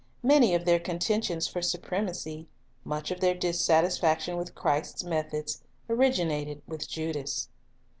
Many of their contentions for supremacy, much of their dissatisfaction with Christ's methods, originated with Judas.